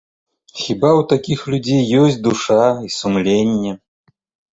Хіба ў такіх людзей ёсць душа і сумленне?